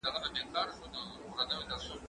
ته ولي کتابونه ليکې!.